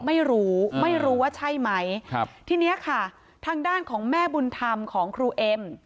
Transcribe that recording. ไม่รู้ไม่รู้ว่าใช่ไหมครับทีเนี้ยค่ะทางด้านของแม่บุญธรรมของครูเอ็ม